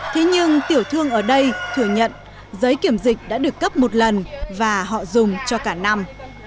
thế nhưng tiểu thương ở đây thừa nhận giấy kiểm dịch đã được cấp một lần và họ dùng cho cả năm